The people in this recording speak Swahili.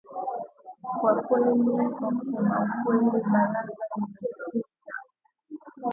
kwa kweli kwa kusema ukweli baraza lililopita